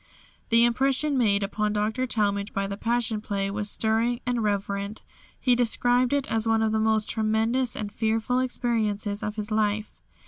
The impression made upon Dr. Talmage by the Passion Play was stirring and reverent. He described it as one of the most tremendous and fearful experiences of his life.